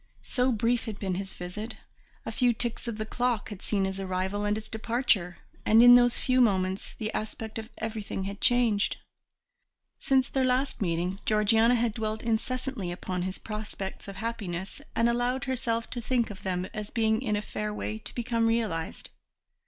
So brief had been his visit a few ticks of the clock had seen his arrival and his departure; and in those few moments the aspect of everything had changed. Since their last meeting Georgiana had dwelt incessantly upon his prospects of happiness, and allowed herself to think of them as being in a fair way to become realized.